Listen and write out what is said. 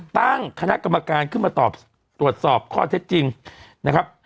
ตั้งคณะกรรมการขึ้นมาตอบตรวจสอบข้อเท็จจริงนะครับ